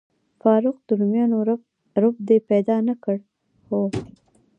فاروق، د روميانو رب دې پیدا نه کړ؟ هو.